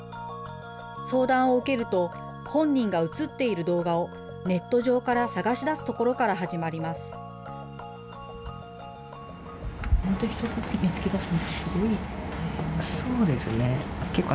相談を受けると、本人が写っている動画をネット上から探し出すところから始まります。